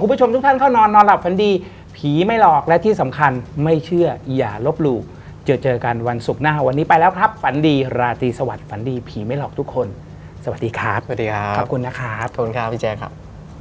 คุณผู้ชมทุกท่านเข้านอนนอนหลับฝันดีผีไม่หลอกและที่สำคัญไม่เชื่ออย่าลบหลู่เจอเจอกันวันศุกร์หน้าวันนี้ไปแล้วครับฝันดีราตรีสวัสดิฝันดีผีไม่หลอกทุกคนสวัสดีครับสวัสดีครับขอบคุณนะครับทนครับพี่แจ๊คครับ